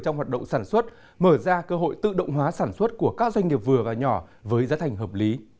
trong hoạt động sản xuất mở ra cơ hội tự động hóa sản xuất của các doanh nghiệp vừa và nhỏ với giá thành hợp lý